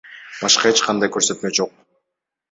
Башка эч кандай көрсөтмө жок.